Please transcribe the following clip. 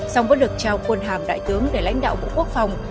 song vẫn được trao quân hàm đại tướng để lãnh đạo bộ quốc phòng